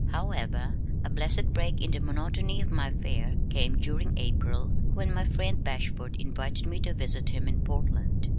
However, a blessed break in the monotony of my fare came during April when my friend Bashford invited me to visit him in Portland.